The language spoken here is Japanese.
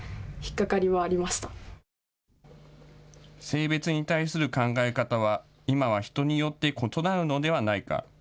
性別に対する考え方は今は人によって異なるのではないか。